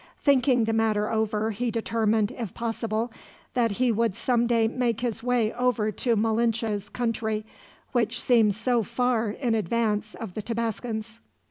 Thinking the matter over he determined, if possible, that he would someday make his way over to Malinche's country, which seemed so far in advance of the Tabascans.